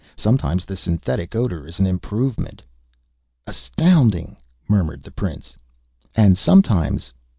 Sometimes the synthetic odor is an improvement." "Astounding!" murmured the prince. "And sometimes